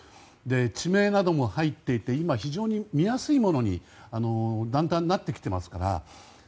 地名なども入っていて今、非常に見やすいものにだんだんなってきていますから。